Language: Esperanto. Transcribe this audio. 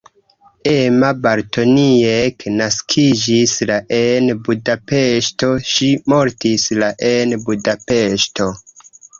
Emma Bartoniek naskiĝis la en Budapeŝto, ŝi mortis la en Budapeŝto.